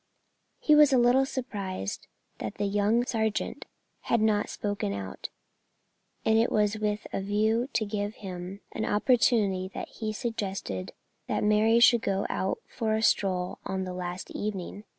He was a little surprised that the young sergeant had not spoken out, and it was with a view to give him an opportunity that he had suggested that Mary should go out for a stroll on the last evening.